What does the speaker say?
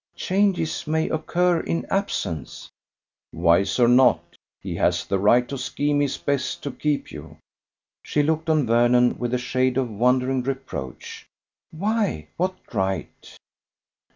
Changes may occur in absence." "Wise or not, he has the right to scheme his best to keep you." She looked on Vernon with a shade of wondering reproach. "Why? What right?"